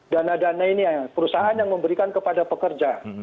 dana dana ini perusahaan yang memberikan kepada pekerja